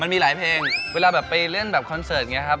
มันมีหลายเพลงเวลาไปเล่นแบบคอนเซิร์ตไงครับ